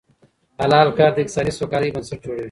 حلال کار د اقتصادي سوکالۍ بنسټ جوړوي.